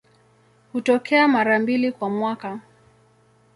Hutokea mara mbili kwa mwaka.